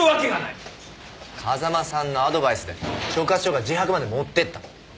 風間さんのアドバイスで所轄署が自白まで持ってった。